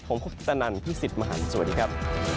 ผมคุปตนันพี่สิทธิ์มหันฯสวัสดีครับ